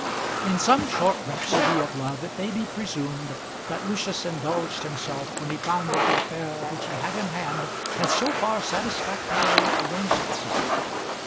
In some short rhapsody of love it may be presumed that Lucius indulged himself when he found that the affair which he had in hand had so far satisfactorily arranged itself.